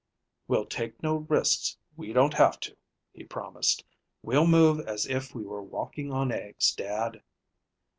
"We'll take no risks we don't have to," he promised. "We'll move as if we were walking on eggs, Dad."